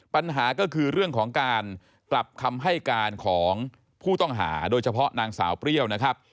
ปัญหาก็คือเรื่องของการกลับคำให้การของผู้ต้องหาโดยเฉพาะนางสาวเปรี้ยวนะครับ